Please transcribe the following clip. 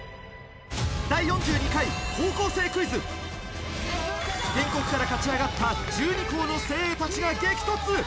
『第４２回高校生クイズ』全国から勝ち上がった１２校の精鋭たちが激突！